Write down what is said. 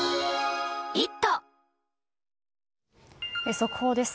速報です。